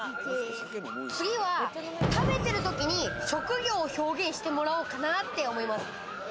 次は食べてるときに職業を表現してもらおうかなって思います。